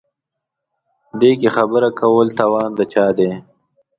دې کې خبره کول توان د چا دی.